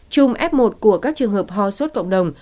chùm f một của các trường hợp hoa sốt cộng đồng